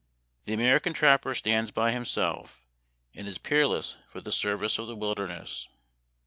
..." The American trapper stands by himself, and is peerless for the service of the wilder ness.